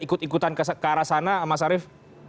ikut ikutan ke arah sana mas arief